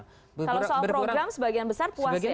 kalau soal program sebagian besar puas ya